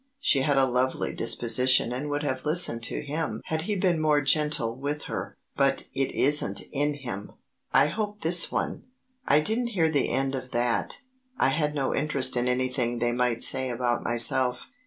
She had a lovely disposition and would have listened to him had he been more gentle with her. But it isn't in him. I hope this one " I didn't hear the end of that. I had no interest in anything they might say about myself.